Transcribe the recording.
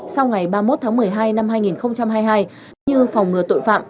sau ngày ba mươi một tháng một mươi hai năm hai nghìn hai mươi hai như phòng ngừa tội phạm